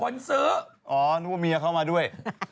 อ๋อนึกว่ามียาเข้ามาด้วย